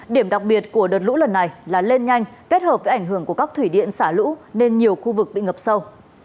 điểm đặc biệt của đợt lũ lần này là lên nhanh kết hợp với ảnh hưởng của các thủy điện xả lũ nên nhiều khu vực bị ngập sâu